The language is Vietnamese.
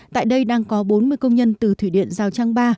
tại đây đang có bốn mươi công nhân từ thủy điện giao trang ba